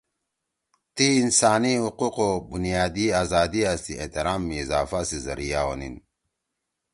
تی انسانی حقوق او بنیادی آزادیا سی احترام می اضافہ سی ذریعہ ہونِین۔